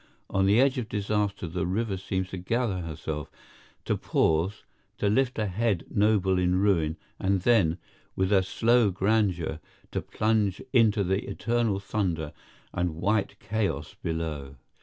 On the edge of disaster the river seems to gather herself, to pause, to lift a head noble in ruin, and then, with a slow grandeur, to plunge into the eternal thunder and white chaos below.